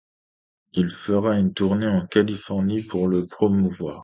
Il fera une tournée en Californie pour le promouvoir.